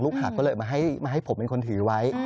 หากก็เลยมาให้ผมเป็นคนถือไว้